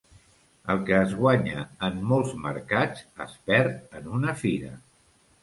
El que es guanya en molts mercats es perd en una fira.